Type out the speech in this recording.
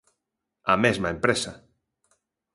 A mesma empresa.